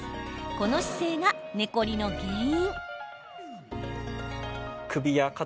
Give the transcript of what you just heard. この姿勢が寝コリの原因。